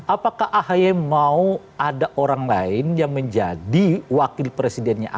iya apakah ahaya mau ada orang lain yang menjadi wakil presidennya ahaya